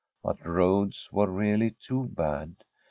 But the roads were really too bad.